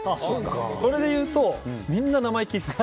それでいうとみんな生意気です。